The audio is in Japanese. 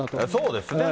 そうですね。